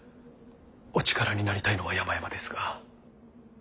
お力になりたいのはやまやまですが。